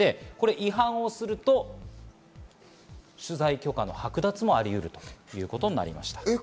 違反をすると取材許可の剥奪もありうるということになりました。